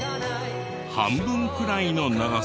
半分くらいの長さに。